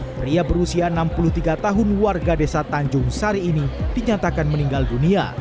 pria berusia enam puluh tiga tahun warga desa tanjung sari ini dinyatakan meninggal dunia